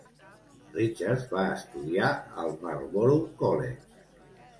Richards va estudiar al Marlborough College.